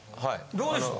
どうでした？